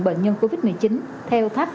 bệnh nhân covid một mươi chín theo tháp